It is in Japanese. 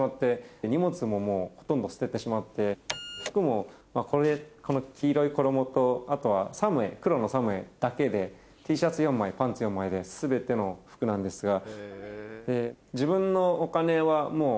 服もこの黄色い衣とあとは黒の作務衣だけでＴシャツ４枚パンツ４枚で全ての服なんですが。